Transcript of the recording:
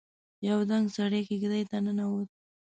يو دنګ سړی کېږدۍ ته ننوت.